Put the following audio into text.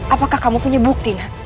apakah kamu punya bukti